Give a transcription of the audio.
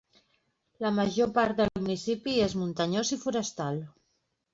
La major part del municipi és muntanyós i forestal.